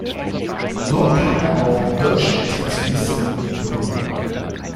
Dort kam er auch mit deutschen Expressionisten in Berührung.